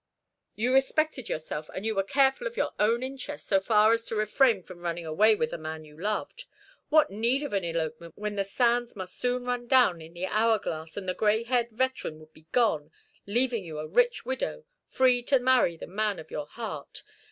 You respected yourself, and you were careful of your own interests so far as to refrain from running away with the man you loved. What need of an elopement, when the sands must soon run down in the hourglass, and the gray haired veteran would be gone, leaving you a rich widow, free to marry the man of your heart?